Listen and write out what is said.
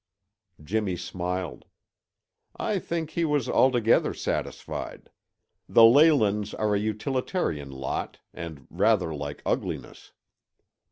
Jimmy smiled. "I think he was altogether satisfied. The Leylands are a utilitarian lot, and rather like ugliness.